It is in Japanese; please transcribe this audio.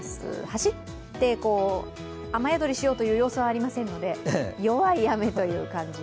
走って雨宿りしようという様子はありませんので弱い雨という感じ。